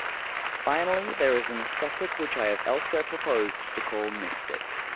Finally, there is an Aesthetic which I have elsewhere proposed to call mystic.